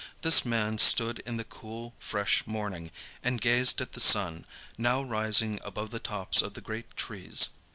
This man stood in the cool, fresh morning, and gazed at the sun, now rising above the tops of the great trees.